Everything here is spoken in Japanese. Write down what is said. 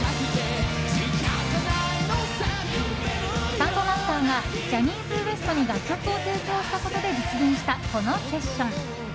サンボマスターがジャニーズＷＥＳＴに楽曲を提供したことで実現したこのセッション。